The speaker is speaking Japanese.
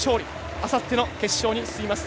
あさっての決勝に進みます。